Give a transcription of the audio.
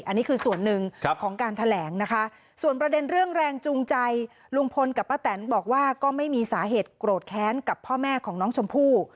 อันนี้คือส่วนหนึ่งของการแถลงนะคะส่วนประเด็นเรื่องแรงจูงใจลุงพลกับป้าแตนบอกว่าก็ไม่มีสาเหตุโกรธแค้นกับพ่อแม่ของน้องชมพู่